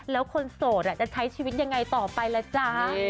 แล้วคนโสดจะใช้ชีวิตยังไงต่อไปล่ะจ๊ะ